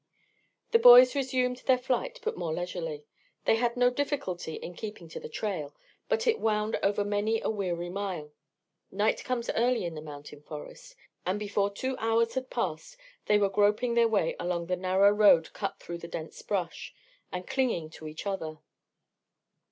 The boys resumed their flight, but more leisurely. They had no difficulty in keeping to the trail, but it wound over many a weary mile. Night comes early in the mountain forest, and before two hours had passed they were groping their way along the narrow road cut through the dense brush, and clinging to each other.